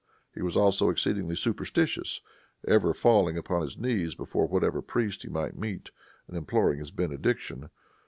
He was also exceedingly superstitious, ever falling upon his knees before whatever priest he might meet, and imploring his benediction.